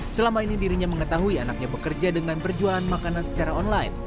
selama ini dirinya mengetahui anaknya bekerja dengan perjualan makanan secara online